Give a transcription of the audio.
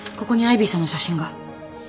ここにアイビーさんの写真が。